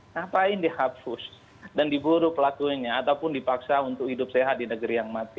ngapain dihapus dan diburu pelakunya ataupun dipaksa untuk hidup sehat di negeri yang mati